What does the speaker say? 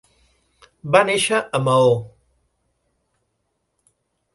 Va néixer a Maó.